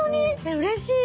うれしい。